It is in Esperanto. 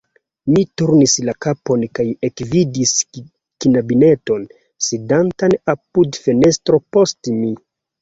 Mi turnis la kapon kaj ekvidis knabineton, sidantan apud fenestro post mi.